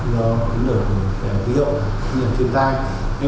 của thiên tai